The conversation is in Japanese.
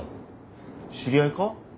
知り合いか？